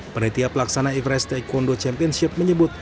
penelitian pelaksana everest taekwondo championship menyebut